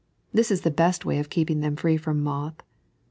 This in the best way of keeping them free from moth.